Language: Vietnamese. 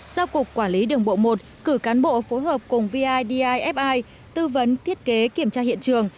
giao cục quản lý đường bộ một cử cán bộ phối hợp cùng vidifi tư vấn thiết kế kiểm tra hiện trường